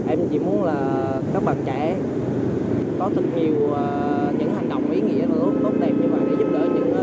em chỉ muốn là các bạn trẻ có thật nhiều những hành động ý nghĩa tốt đẹp như vậy để giúp đỡ những